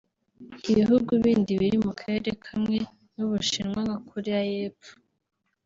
Ibihugu bindi biri mu Karere kamwe n’u Bushinwa nka Koreya y’Epfo